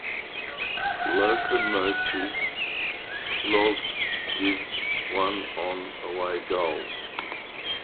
Lokomotiv Plovdiv won on away goals.